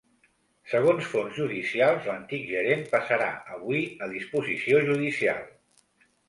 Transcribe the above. Segons fonts judicials, l’antic gerent passarà avui a disposició judicial.